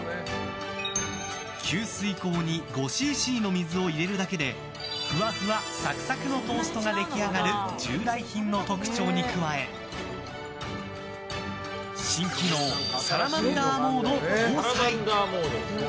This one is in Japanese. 給水口に５ｃｃの水を入れるだけでふわふわサクサクのトーストが出来上がる従来品の特徴に加え新機能サラマンダーモード搭載！